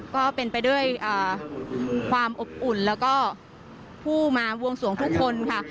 ก็เป็นไปด้วยความอบอุ่นแล้วก็ผู้มาบวงสวงทุกคนค่ะ